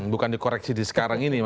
bukan dikoreksi sekarang ini